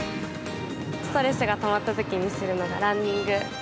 ストレスがたまった時にするのがランニング。